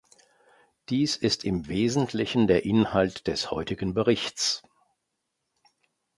Dies ist im wesentlichen der Inhalt des heutigen Berichts.